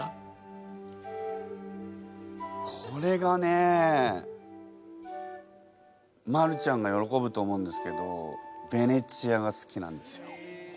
これがねマルちゃんが喜ぶと思うんですけどベネチアが好きなんですよ。